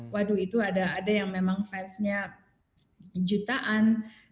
waduh itu ada yang memang fansnya jutaan